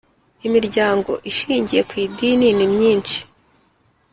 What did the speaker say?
Imiryango ishingiye ku idini nimyinshi